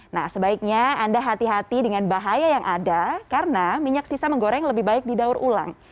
nah sebaiknya anda hati hati dengan bahaya yang ada karena minyak sisa menggoreng lebih baik didaur ulang